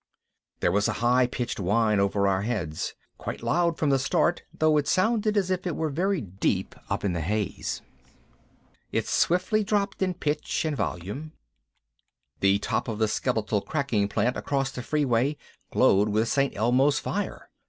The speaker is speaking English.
There was a high pitched whine over our heads! Quite loud from the start, though it sounded as if it were very deep up in the haze. It swiftly dropped in pitch and volume. The top of the skeletal cracking plant across the freeway glowed with St. Elmo's fire!